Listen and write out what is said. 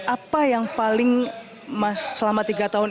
apa yang paling mas selama tiga tahun